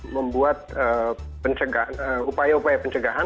membuat upaya upaya pencegahan